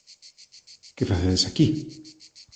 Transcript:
Que facedes aquí?